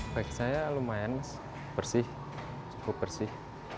bagi saya lumayan bersih cukup bersih